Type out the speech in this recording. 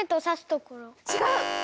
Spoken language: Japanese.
ちがう。